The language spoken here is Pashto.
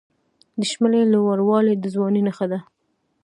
د شملې لوړوالی د ځوانۍ نښه ده.